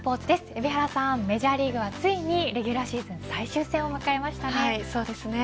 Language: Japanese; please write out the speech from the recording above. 海老原さん、メジャーリーグはついにレギュラーシーズン最終戦を迎えましたね。